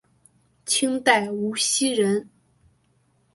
清代无锡人。